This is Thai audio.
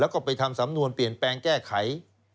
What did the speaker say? แล้วก็ไปทำสำนวนเปลี่ยนแปลงแก้ไข